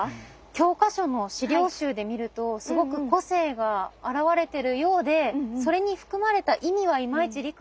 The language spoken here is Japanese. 教科書の資料集で見るとすごく個性が表れてるようでそれに含まれた意味はいまいち理解してない気がします。